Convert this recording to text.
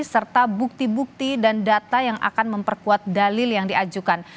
serta bukti bukti dan data yang akan memperkuat dalil yang diajukan